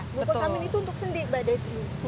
glukosamin itu untuk sendi mbak desi